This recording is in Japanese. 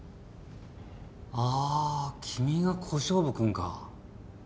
あ君が小勝負君か。